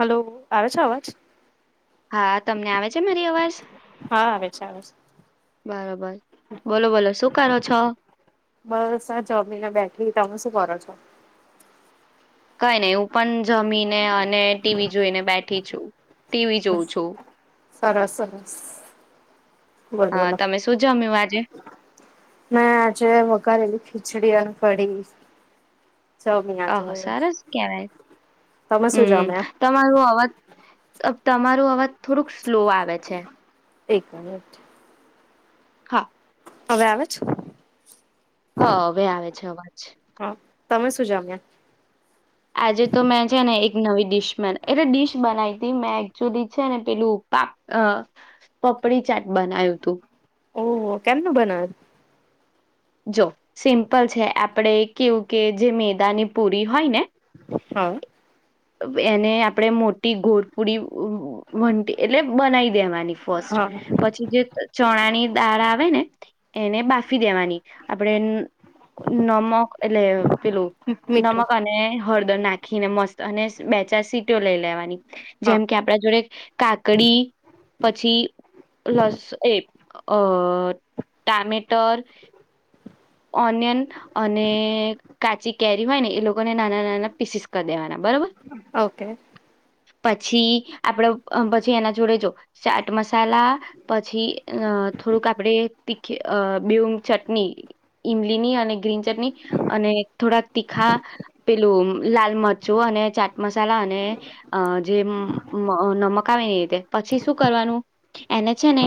Hello આવે છે અવાજ. હા તમને આવે છે મારી અવાજ હા આવે છે આવે છે બરોબર બોલો બોલો શું કરો છો? બસ આ જમીને બેઠી તમે શું કરો છો? કઈ નહી હું પણ જમી ન ને અને ટીવી જોઈને બેઠી છું. ટીવી જોઉં છું સરસ સરસ બોલો હા બોલો તમે શું જમ્યું આજે ના આજે વગારેલી ખિચડી અને કઢી. જમી આજે ઓહો સરસ કેવાય, તમે શું હમ જમ્યા તમારું અવાજ ત- તમાર અવાજ થોડુંક સ્લો આવે છે. એક મિનિટ. હા. હવે આવે છે. હા હવે આવે છે અવાજ. હા. તમે શું જામ્યા? આજે તો મેં છે ને એક નવી ડિશ મનાય એટલે ડિશ બનાવી હતી મેં એકચુલી છે ને પેલું પાપ પપડી ચાટ બનાવ્યું તું. હમ્મ કેમનું બનાવે. જો સિમ્પલ છે આપણેે કેવું કે જે મેદાની પુરી હોય ને હા. અવ એને આપણેે મોટી ગોરપુડી ઉવ વંટી એટલે બનાવી દેવાની ફર્સ્ટ. હા પછી જે ચ ચણાની દાળ આવે ને એને બાફી દેવાની આપડે ન નમક એટલે અ પેલું મીઠું નમક અને હળદર નાખીને મસ્ત અને સ બે ચાર સીટોઓ લઈ લેવાની. હા જેમ કે આપડા જોડે કાકડી પછી લસ એ અ ટામેટર ઓનિયન અને કાચી કેરી હોય ને એ લોકોને નાના નાના પીસીસ કર દેવાના. બરોબર ઓકે. પછી આપડે અ પછી, એના જોડે જો ચાટ મસાલા પછી, અ થોડુંક આપડે તીખી અ બેઉંન ચટ ટની ઈમલીની અને ગ્રીન ચટની અને થોડાક તીખા પેલું લાલ મરચું અને ચાટ મસાલા અને અ જે મ મન મખાવીની કે પછી શું કરવાનું? એને છે ને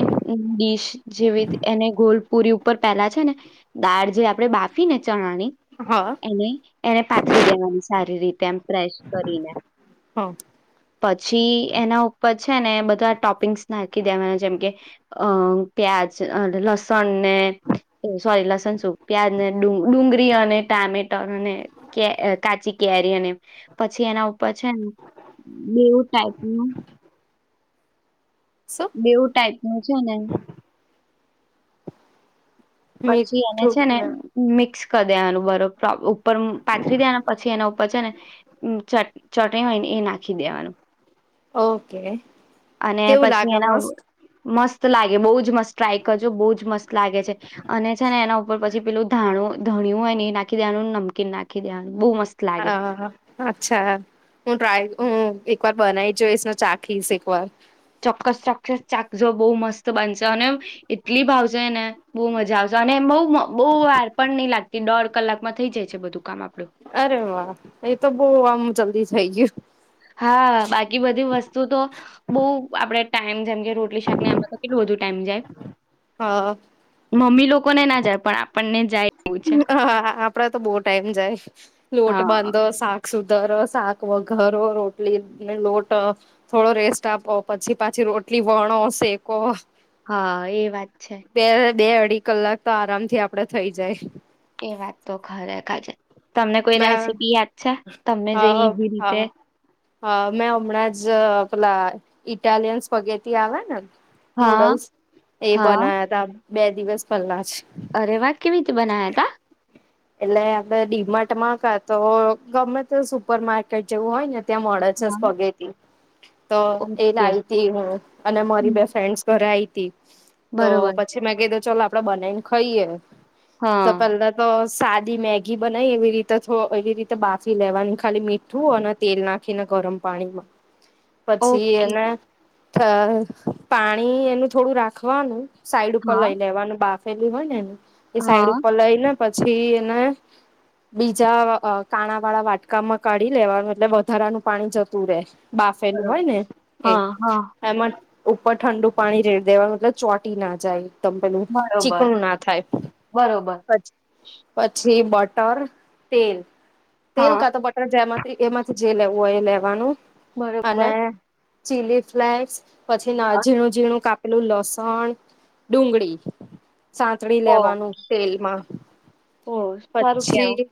ડીશ જેવી એને ગોલપુરી ઉપર પેલા છે ને દાળ જે આપડે બાફીને ચણાની હા એની નઈ એણે પાથરી દેવાની સારી રીતે એમ પ્રેશ કરીને. હા. પછી એના ઉપર છે ને બધા ટોપિંગ્સ નાખી દેવાના જેમ કે, અ પ્યાજ અહ લસણને સોરી લસનસૂપ પ્યાજ ને ડુંગ ડુંગરી અને ટામેટર અને કે અ કાચી કેરી અને પછી એના ઉપર છે ને બેવું ટાઈપનું શું બેવું ટાાઈપનું છે ને પછી એને છે ને મીઠું મિક્સ કર દેવાનું બરફ તો આપડું ઉપર ઉમ પાથરી દેવાના. પછી, એના ઉપર છે ને ઉન ચટ ચટણી હોય ને એ નાખી દેવાનું. ઓકે, કેવું લાગ મસ્ત ત લાગે બઉ જ મસ્ત ટ્રાઈ કરજો બહુ જ મસ્ત લાગે છે. અને છે ને એના ઉપર પછી પેલું ધાણું ધાણ્યું હોય ને એ નાખી દેવાનું નમકીન નાખી દેવાનું બહુ મસ્ત લાગે હા. હા. હા. અચ્છા હા, હું ટ્રાય હમ. એક વાર બનાવી જોઈશ ન ચાખીશ એક વાર. ચોક્કસ ચોક્કસ ચાકજો બહુ મસ્ત બનશે. અને એટલી ભાવશે ને બહુ મજા આવશે. અને બહુ મ બહુ વાર પણ નઈ લાગતી દોઢ કલાકમાં થઇ જાય છે બધું કામ આપડું. અરે વાહ! એ તો બહુ આમ જલ્દી થઈ ગ્યું. હા બાકી બધી વસ્તુ તો બહુ આપડે ટાઈમ જેમ કે રોટલી શાક ને આમ બ કેટલું બધું ટાઈમ જાય. હા મમ્મી લોકોને ના જાય પણ આપણને જાય એવું છે ઉહમ અહ હા હા આપડા તો બહુ ટાઈમ જાય. લોટ હા બાંધો શાક સુ દરસ શાક વધારો રોટલીને લોટ થોડો રેસ્ટ આપો પછી, પાછી રોટલી વણો શેકો હા. એ વાત છે. ઢી કલાક તો આરામથી આપડે થઈ જાય. એ વાત તો ખરેખર છે. તમને કોઈ મે રેસીપી યાદ છે. તમને જે હા ઈઝી રીતે. હા ઇટાલિયન્સ પગેથી આવે ને. હા, નુડલ્સ એ હા. બનાયા તા. બે દિવસ પહેલા જ. અરે વાત કેવી રીતે બના્યા તા. એટલે આપડણે ડીમટમાં ક તો ગમે તે સુપર માર્કેટ જેવું હોય ને. ત્યાં મળે છે હા. પગેથી તો એ ઓકે. લાવ ત હું અને મારી હમ્મ. બે ફ્રેન્ડસ ઘરે આવીઈ. તે. તો બરોબર. પછી મેં કઈ દ ચાલ આપ. આપડે બનાવીને ખાઈએે. હા, તોપલડા તો. સાદી મેગી બનાવી એવી રીતે થ એવી રીતે બાફી લેવાનું ખાલી મીઠું અને તેલ નાખીને ગરમ પાણીમાં. પછી ઓકે. એને. પાણી એનું થોડું રાખવાનું. સાઈડ ઉપર હા. લઈ લેવાનું બાહ. પેલી હોય. એ સાઈડ હા, ઉપર લઈ ને પછી. પછી એને બીજા કાણા વાળા વાટકામાં કાઢી લેવાનું એટલે વધારાનું પાણી જતું રે. બાફેલું હોય બરોબર. ને એ હા, હા. એમાં. ઉપર ઠંડુ પાણી રેડ દેવા મતલબ ચોટી ના જાય. તમ પેલું બરોબર, ચીકણું ના થાય બરોબર. પછ. પછી. જી બટર તેલ. તેલ હા, કા તો બટર જેમ એમાંથી જે લેવું હોય એ લેવાનું અને બરોબર ચીલી ફ્લેક્સ પછી ના ઝીણું ઝીણું કા પેલું લસણ ડુંગળી સાતણી ઓ લેવાનું તેલમાં ઓ સારું કેં પછી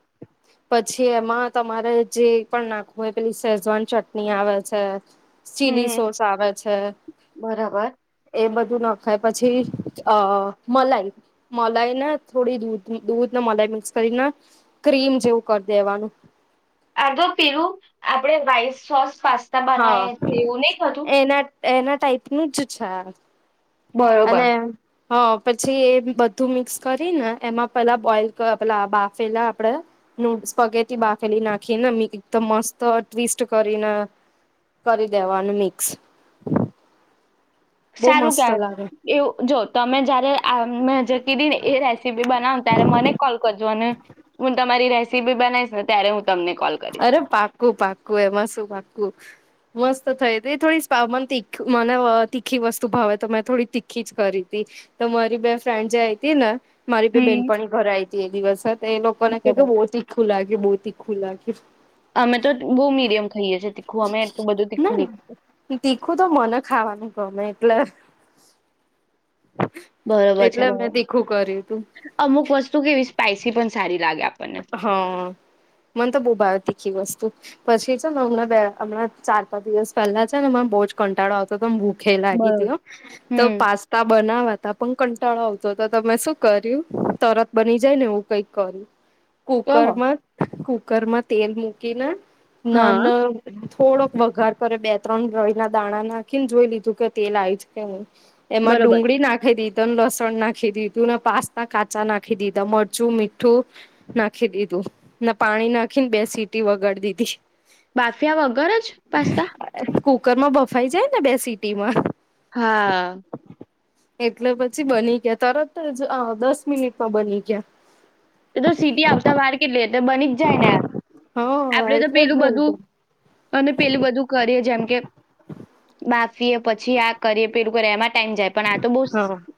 પછી એમાં તમારે જે પણ નાખવું હોય પેલી સેજવાન ચટણી આવે છે ચીલી હમ્મ, સોસ આવે છે બરાબર. એ બધું નાખાય પછી અ મલાઈ મલાઈ ને થોડી દૂધ દૂધને મલાઈ મિક્સ કરીને ક્રીમ જેવું કરી દેવાનું આધો પીરું આપડે વાઈ સોસ પાસ્તા હા બનાવે છે એવું નહી ખતું એના એના ટાઈપનુંું જ છે બરોબર. હા પછી એ બધું મિક્સ કરીને એમાં પેલા બોઈલ પ પેલા બાફેલા આપણેે નૂડસ પગેથી બાફેલી નાખીને મ એકદમ મસ્ત ટ્વિસ્ટ કરીને કરી દેવાનું મિક્સ. બહુ સારું મસ્ત ક્યા લાગે એવું જો તમે જયારે આ મે જે કીધી ને એ રેસીપી બનાવ ત્યારે મને કોલ [unintelligible] હું તમારી રેસીપી બનાવીશ ને ત્યારે હું તમને કોલ કરીશ અરે પાકું-પાકું એમાં શું પાકું. મસ્ત થઈ તી થોડી સામ તીખ મને વ તીખી વસ્તુ ભાવે, તો મેં થોડી તીખી જ કરી તી. તો મારી બે ફ્રેન્ડ જે આઈ તી ને મારી બે હમ બેનપણી ઘર આઈ તે દિવસ જ ને એ લોકો ને કેટલું બરોબર બઉ તીખુ લાગ એ બહુ તીખું લાગ. [unintelligible] અમે તો બહુ મીડિયમ ખાઈએ છીએ તીખું અમે એટલું બધું તીખું ની ના તીખું તો મને ખાવાનું ગમે [unintelligible] એટલે બરોબર છે. એટલે મેં [unintelligible] તીખું કર્યું તું અમુક વસ્તુ કેવી સ્પાઈસી પણ સારી લાગે આપ હા મને તો બહુ ભાવે તીખી વ સ્તુ. પછી છે ને હમણાં બે હમણાં ચાર પાંચ દિવસ પહેલા છે ને હમણા બહુ જ કંટાળો આવતો હતો ને ભૂ ખે લાગી તી બરોબર હો, તો હમ પાસ્તા બનાવા તા પણ કંટાળો આવતો, તો મે શું કર્યું તરત બની જાય ને એવું કઈક કર્યું. તો કુકર માં જ કુક કુકર માં તેલ મૂકીને હા નાના થોડોક વઘાર કરે બે ત્રણ રય ના દાણા નાખીને જોઈ લીધું કે તેલ આઈ જ કે નહીં. એમાં બરોબર ડુંગળી નાખી દીધ [unintelligible] લસણ નાખી દીધું, ને પાસ્તા કાચા નાખી દીધા, મરચું, મીઠું નાખી દીધું. ને પાણી નાખીને બે સીટી વગાર દીધી. બાફિયા વગર જ પાસ્તા? કુકર માં બફાઈ જાય ને બે સીટી માં. હા. એટલે પછી બની ગયા તરત જ અહ દસ મિનિટમાં બની ગયા. એ તો સીટી આવતા વારે [unintelligible] એટલે બની જ જાય ને. હા આપડે તો એટલે પેલું બધું જ અને પેલું બધું કરીએ જેમ કે બા ફીએ પછી આ કરીએ પેલું [unintelligible] ટાઈમ જાય પણ આ તો બહું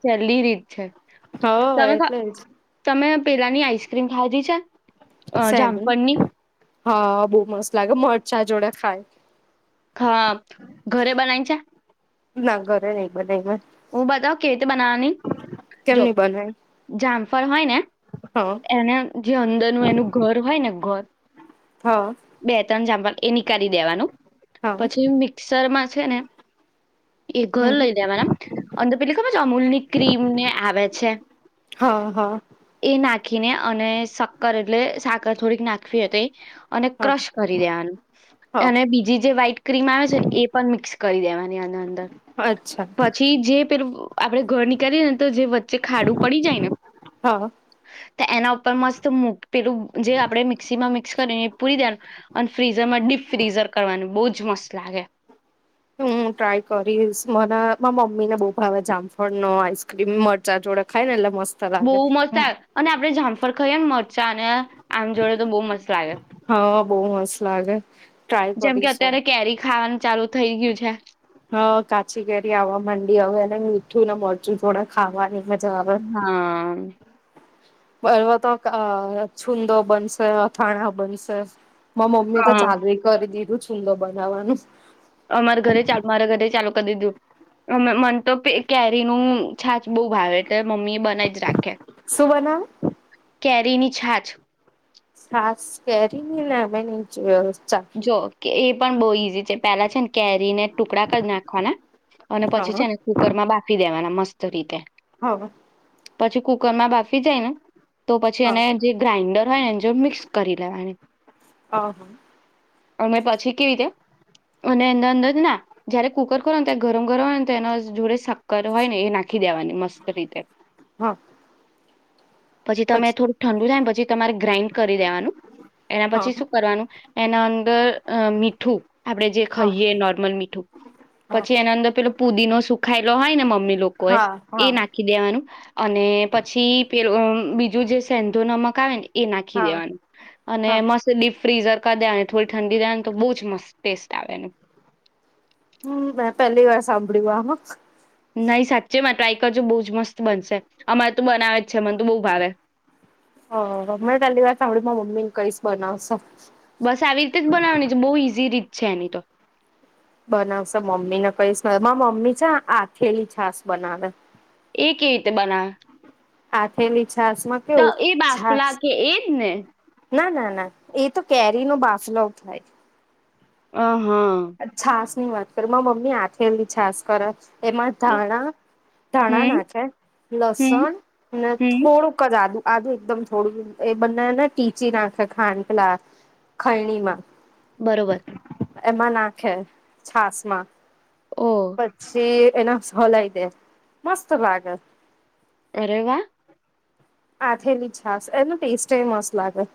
સહેલી રીત છ હ એટલે જ પેલા ની આઈસ્ક્રીમ ખાધી છે અ સેલન જામફળની હા બહુ મસ્ત લાગે મરચા જોડે થાય હા ઘરે બનાવી છે નાગોરે નઈ બઈ હું બતાવ કેવી રીતે બનાવાની કેમ જો નહી બનાવી જામફળ હોય ને હા એને જે અંદરનું એનું ઘર હોય ને ઘર હા બે ત્રણ ચંપલ એ નીકાળી દેવાનું હા પછી મિક્સરમાં છે ને એ ઘર હમ લઇ દેવા અંદર પેલી ખબર છે અમૂલ ની ક્રીમ ને આવે છે હા હા એ નાખ રાખીને અને શક્કર એટલે સાકર થોડીક નાખવી હતી અને હા ક્રશ કરી દેવાનું હા અને બીજી જે વ્હાઈટ ક્રીમ આવે છે ને એ પણ મિક્સ કરી દેવાની અ અંદર અચ્છા પછી જે પે આપડે ઘર નીકળીએે ને તો જે વચ્ચે ખાડું પડી જાય, હા ને એના ઉપર મસ્ત મૂક પેલું જે આપડે મિક્સી માં મિક્સ કરી એ પૂરી દેવાનું, અને ફ્રીઝર માં ડીપ ફ્રીઝર કરવાનું બહજ મસ્ત લાગે હું ટ્રાય કરીશ મરા મમ્મી ને બહુ ભાવે જામફળ નો આઈસ્ક્રીમ મરચા જોડે ખાય ને એટલે મસ્ત બહુ લાગે મસ્ત આવે અને આપડણે જામફર ખાઈએ ને મરચાં અને આમ જોડે તો બહુ મસ્ત લાગે હા બહુ મસ્ત લાગે ટ્રાય જેમ કે કરીશું અત્યારે કેરી ખાવાનું ચાલુ થઈ ગયું છે હ કાચી કેેરી આવવા માંડી હવે એ મીઠું ને મોજું થોડાક ખાવાની મજા હા બવા તો આ છુંંદો બનશે અથાણા બનશે મા મમ્મી તો હા ચાાલ કરી દ એ હદ બનાવવાનું અમારા ઘરે ચ મારા ઘરે ચાલુ કરી દીધું અ મને તો કેરી નું છાચ બહુ ભાવે મમ્મી બનાઈ જ રાખે શું બનાવે કેરીની છાછ સાસ કે ને અં ન જોયો જો કે એ પણ બોઈ પેલા છે ને કેરીને ટુકડા જ નાખવાના અને પછી છે હા એને કુકરમાં બાફી દેવાના મસ્ત રીતે. હા પછી કુકર માં બાફી જાય ને. તો પછી એને હા જે ગ્રાઇન્ડર હોય ને જો મિક્સ કરી લેવાની. હા અ પછી કેવી રીતે અને અર અંદર ના જયારે કુકર કરને ત્યારે ગરમ ગરમ હોય ને તો એના જોડે સાક્કર હોય ને એ નાખી. નાખી દેવાની મસ્ત રીતે. હા પછી તમે થોડું ઠંડુ થાય ને પછી તમારે ગ્રાાઈન્ડ કરી દેવાનું એના હા પછી શું કરવાનું. એના અંદર મીઠું આપડે જે હા ખાઈએ નોર્મલ મીઠું હા પછી એના અંદર પેલો પુદીનો સુખાયેલો હોય ને મમ્મી લોકો એ હા એ હા નાખી દેવાનું અને પછી પે. બીજું જે સેંધુ નમક આવે ને. એ નાખી હા દેવાનું અને હા મસલી ફ્રીઝર. થોડી ઠંડી રહે ને તો બહ જ મત ટેસ્ટ. આવે. હમ મે પહેલી વાર સાંભળ્યું આ હ. નઈ સાચે માં ટ્રાય કરજો બઉુ. મત બ અરે ત બનાવે છે મને બ ભાવે. આ હ મેં પહેલી વાર સાંભળ્યું મા મમ્મી ને કઈશ બનાવશે. બસ આવી રીતે જ બનાવવાની છે બહુ ઈઝી રીત. છે ન તો. બનાવશે મમ્મી ને કઈશ મમ્મી છેા આથેલી છાસ બનાવે. એ કેવી રીતે બનાવ. હા થેલી છાસ માં કેવું એ છા. બાફલા કે એજ ને ના ના ના એ તો કેરી નો બાફલો થાય. હ. હા. છાસ ની વાત કરી માં મમ્મી હાથેલી છાસ કર. એમાં ધાણા ધાણા હમ નાખે હમ લસણ હમ થોડુંક જ આદુ. આજ એકદમ થોડું એ બને ને ટીચી નાખે ખાંડ પેલા ખૈણીમાં. બરોબર. એમાં નાખે છાસ માં. ઓ પછી. એના સોલાઈે મસ્ત ભાગ. અરેવા. આથેેલી છાસ એનું ટેસ્ટ એ મસ્ત લાગે.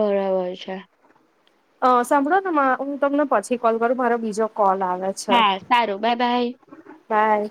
બરાબર છે. અ સાંભળો ને હું તમને પછી કોલ કરું મારો બીજો. કોલ આવે છે હા સારું બાય બાય. બાય.